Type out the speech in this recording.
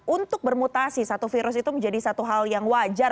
untuk bermutasi satu virus itu menjadi satu hal yang wajar